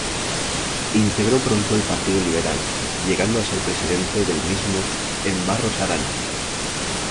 Integró pronto el Partido Liberal, llegando a ser presidente del mismo en Barros Arana.